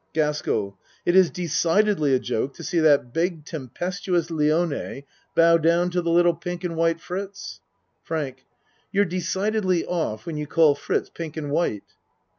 GASKELL It is decidedly a joke to see that big ACT I 39 tempestuous Lione bow down to the little pink and white Fritz. FRANK You're decidedly off when you call Fritz pink and white.